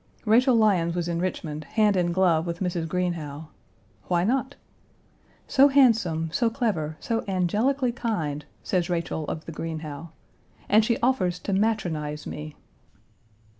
Rachel Lyons was in Richmond, hand in glove with Mrs. Greenhow. Why not? "So handsome, so clever, so angelically kind," says Rachel of the Greenhow, "and she offers to matronize me."